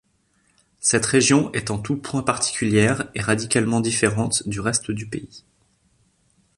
Cette région est en tous points particulière et radicalement différente du reste du pays.